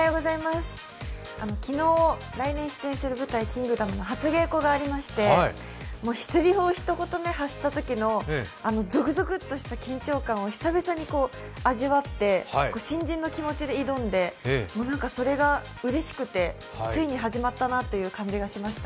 昨日、来年出演する舞台「キング・ダム」の初稽古がありましてせりふをひと言発したときのゾクゾクッとした緊張感を久々に味わって新人の気持ちで挑んで、それがうれしくて、ついに始まったなという感じがしました。